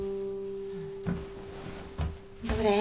どれ？